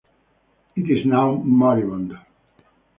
It is now moribund.